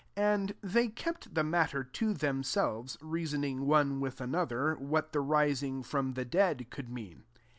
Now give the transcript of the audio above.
10 And they kept the matter to themselves, reasoning one with another, what the rising from the dead could mean.